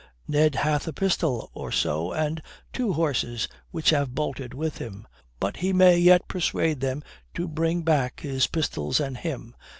Ned hath a pistol or so and two horses which have bolted with him. But he may yet persuade them to bring back his pistols and him.